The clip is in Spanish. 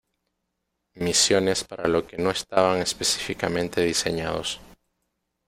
Misiones para lo que no estaban específicamente diseñados.